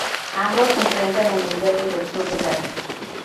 Ambos se enfrentan en el Derbi del Sur de Gales.